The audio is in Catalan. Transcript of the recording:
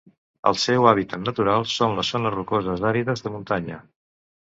El seu hàbitat natural són les zones rocoses àrides de muntanya.